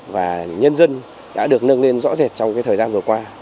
và nhân dân đã được nâng lên rõ rệt trong thời gian vừa qua